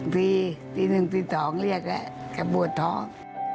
ตีหนึ่งตีสองเรียกแล้วกับบวชท้อง